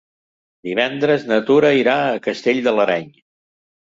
Divendres na Tura irà a Castell de l'Areny.